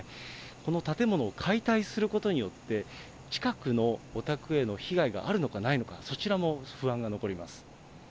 この建物を解体することによって、近くのお宅への被害があるのかないのか、そちらも不安が残ります。